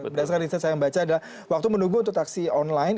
berdasarkan riset saya yang baca adalah waktu menunggu untuk taksi online